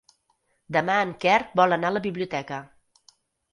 Demà en Quer vol anar a la biblioteca.